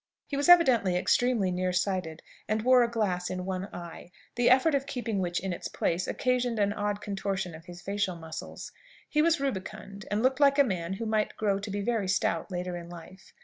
He was evidently extremely near sighted, and wore a glass in one eye, the effort of keeping which in its place occasioned an odd contortion of his facial muscles. He was rubicund, and looked like a man who might grow to be very stout later in life.